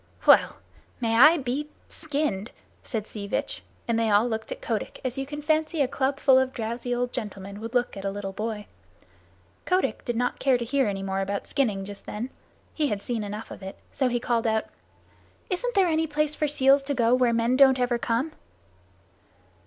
"Well! May I be skinned!" said Sea Vitch, and they all looked at Kotick as you can fancy a club full of drowsy old gentlemen would look at a little boy. Kotick did not care to hear any more about skinning just then; he had seen enough of it. So he called out: "Isn't there any place for seals to go where men don't ever come?"